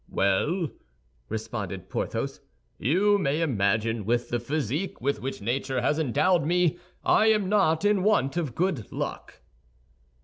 "Well," responded Porthos, "you may imagine, with the physique with which nature has endowed me, I am not in want of good luck."